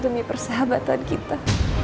demi persahabatan kita